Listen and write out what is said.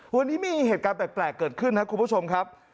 วันนี้มีเหตุการณ์แปลกเกิดขึ้นครับคุณผู้ชมครับ